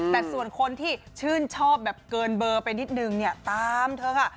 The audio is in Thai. แต่ส่วนคนที่ชื่นชอบแบบเกินเบอร์ไปนิดนึงเนี่ยตามเธอค่ะ